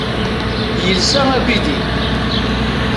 Yelsa abidi.